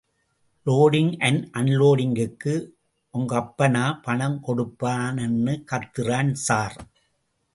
Loading and அன்லோடிங்கிற்கு ஒங்கப்பனா பணம் கொடுப்பான் னு கத்தறான் ஸார்.